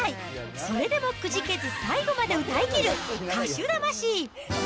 それでもくじけず最後まで歌いきる歌手魂。